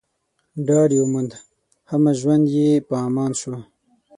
ډاډ يې وموند، همه ژوند يې په امان شو